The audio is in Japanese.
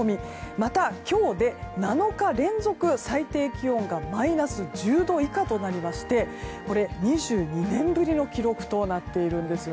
また今日で７日連続、最低気温がマイナス１０度以下となりましてこれは２２年ぶりの記録となっているんです。